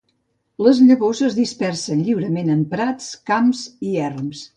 Les llavors es dispersen lliurement en prats, camps i erms.